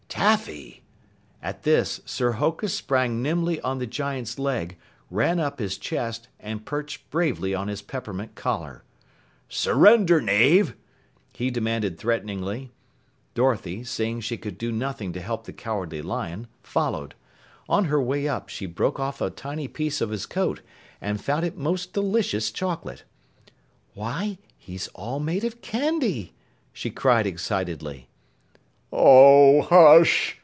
"Taffy!" At this, Sir Hokus sprang nimbly on the giant's leg, ran up his chest, and perched bravely on his peppermint collar. "Surrender, Knave!" he demanded threateningly. Dorothy, seeing she could do nothing to help the Cowardly Lion, followed. On her way up, she broke off a tiny piece of his coat and found it most delicious chocolate. "Why, he's all made of candy!" she cried excitedly. "Oh, hush!"